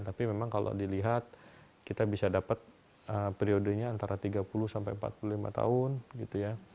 tapi memang kalau dilihat kita bisa dapat periodenya antara tiga puluh sampai empat puluh lima tahun gitu ya